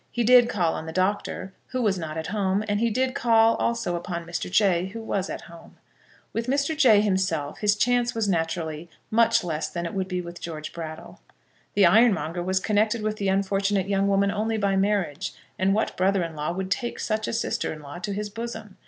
He did call on the Doctor, who was not at home; and he did call also upon Mr. Jay, who was at home. With Mr. Jay himself his chance was naturally much less than it would be with George Brattle. The ironmonger was connected with the unfortunate young woman only by marriage; and what brother in law would take such a sister in law to his bosom?